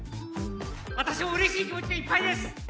私も嬉しい気持ちでいっぱいです